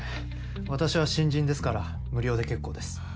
私は新人ですから無料で結構です。